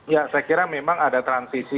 ya saya kira memang ada transisi